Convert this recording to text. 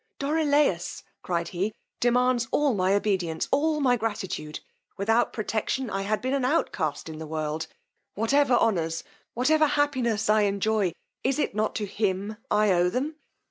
Dorilaus, cried he, demands all my obedience; all my gratitude: without protection I had been an outcast in the world! Whatever honours, whatever happiness I enjoy, is it not to him I owe them!